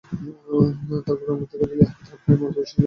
তারপর তোমরা দেখা দিলে আর প্রায় মরতে বসেছিলে।